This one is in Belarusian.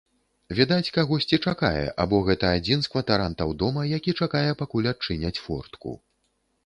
Відаць, кагосьці чакае, або гэта адзін з кватарантаў дома, які чакае, пакуль адчыняць фортку.